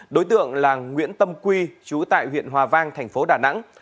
đối tượng là nguyễn tâm quy chú tại huyện hòa vang thành phố đà nẵng